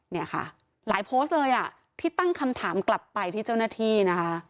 เนี่ยค่ะหลายโพสต์เลยอ่ะที่ตั้งคำถามกลับไปที่เจ้าหน้าที่นะคะ